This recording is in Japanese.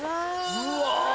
うわ。